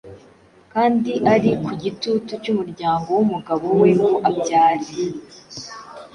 kandi ari ku gitutu cy'umuryango w'umugabo we ngo abyare